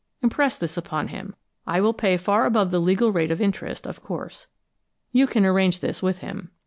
Impress this upon him. I will pay far above the legal rate of interest, of course. You can arrange this with him.